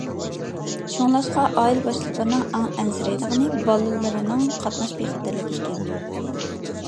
شۇڭلاشقا ئائىلە باشلىقلىرىنىڭ ئەڭ ئەنسىرەيدىغىنى بالىلىرىنىڭ قاتناش بىخەتەرلىكى ئىكەن.